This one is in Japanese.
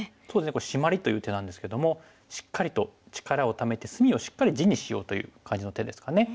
これシマリという手なんですけどもしっかりと力をためて隅をしっかり地にしようという感じの手ですかね。